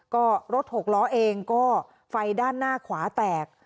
ก็รถหกล้อเองก็ไฟด้านหน้าขวาแตก